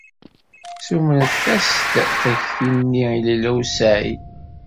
Ssumrent-as-d takti-nni i Lila u Saɛid.